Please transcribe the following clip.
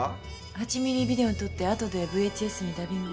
８ミリビデオに撮ってあとでＶＨＳにダビングを。